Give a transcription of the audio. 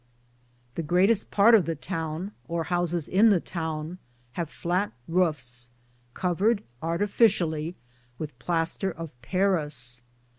The greateste parte of the towne, or housis in the towne, have flatt Roufes, covered artifitialy with playster of paris.